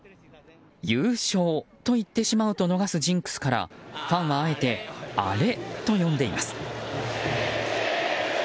「優勝」と言ってしまうと逃すジンクスからファンは、あえてアレと呼んでいます。